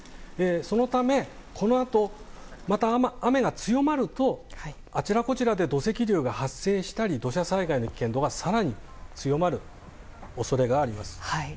そのためこのあとまた雨が強まるとあちらこちらで土石流が発生したり土砂災害の危険度が更に強まる恐れがあります。